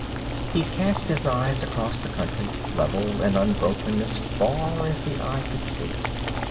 He cast his eyes across the country, level and unbroken as far as the eye could see.